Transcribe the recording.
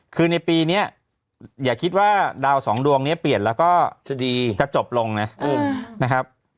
คือในปีนี้อย่าคิดว่าดาวสองดวงนี้เปลี่ยนแล้วก็จะดีจะจบลงนะครับ